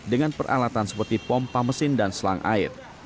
dengan peralatan seperti pompa mesin dan selang air